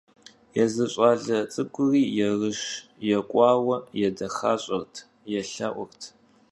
Yêzı ş'ale ts'ık'uri yêrış yêk'uaue yêdexaş'ert, yêlhe'urt.